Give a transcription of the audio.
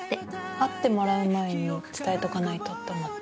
会ってもらう前に伝えとかないとって思って。